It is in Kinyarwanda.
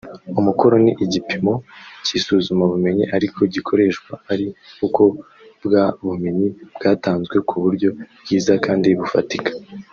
Umukoro ni igipimo cy’isuzumabumenyi ariko gikoreshwa ari uko bwa bumenyi bwatanzwe ku buryo bwiza kandi bufatika